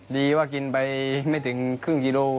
ดีว่ากินไปไม่ถึงครึ่งกิโล